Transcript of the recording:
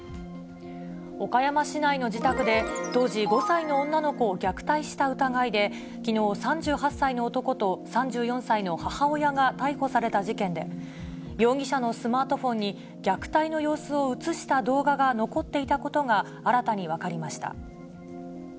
岡山市内の自宅で、当時５歳の女の子を虐待した疑いで、きのう、３８歳の男と３４歳の母親が逮捕された事件で、容疑者のスマートフォンに、虐待の様子を写した動画が残っていたことが新たに分かりました。